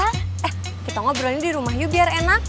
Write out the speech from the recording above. eh kita ngobrolin di rumah yuk biar enak